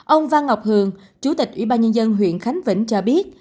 ông văn ngọc hường chủ tịch ủy ban nhân dân huyện khánh vĩnh cho biết